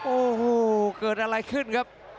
โอ้โหเกิดอะไรขึ้นครับ